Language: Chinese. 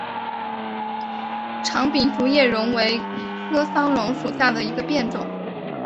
长柄竹叶榕为桑科榕属下的一个变种。